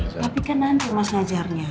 tapi kan nanti mas ngajarnya